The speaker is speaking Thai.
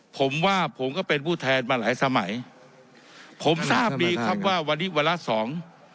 ผมว่าผมก็เป็นผู้แทนมาหลายสมัยผมทราบดีครับว่าวันนี้วาระสอง